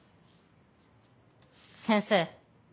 先生。